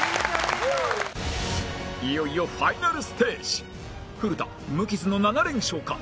いよいよファイナルステージ古田無傷の７連勝か？